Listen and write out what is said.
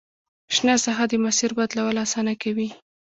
شنه ساحه د مسیر بدلول اسانه کوي